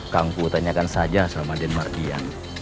kangku tanyakan saja sama denmarkian